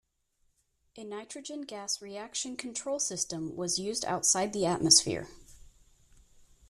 A nitrogen-gas reaction control system was used outside the atmosphere.